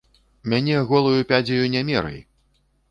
Мяне голаю пядзяю не мерай!